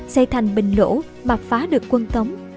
xây thành bình lỗ mà phá được quân tống